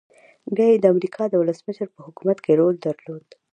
بيا يې د امريکا د ولسمشر په حکومت کې رول درلود.